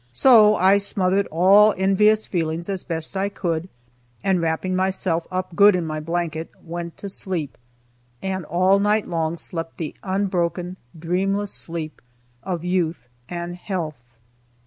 So I smothered all envious feelings as best I could, and wrapping myself up good in my blanket, went to sleep, and all night long slept the unbroken, dreamless sleep of youth and health.